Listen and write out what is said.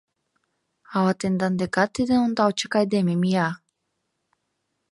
Ала тендан декат тиде ондалчык айдеме мия?